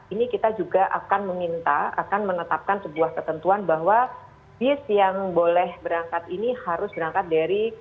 ini kita juga akan meminta akan menetapkan sebuah ketentuan bahwa bis yang boleh berangkat ini harus berangkat dari